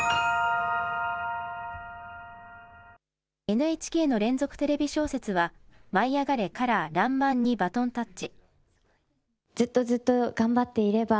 ＮＨＫの連続テレビ小説は舞いあがれ！かららんまんにバトンタッチ。